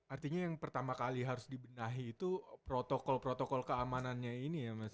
artinya yang pertama kali harus dibenahi itu protokol protokol keamanannya ini ya mas